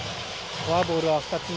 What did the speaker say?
フォアボールは２つ目。